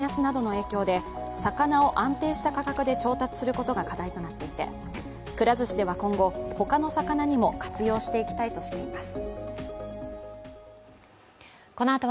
回転ずし業界では、燃料費の高騰や円安などの影響で魚を安定した価格で調達することが課題となっていて、くら寿司では今後、他の魚にも活用していきたいとしています。